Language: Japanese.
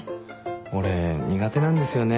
俺苦手なんですよね。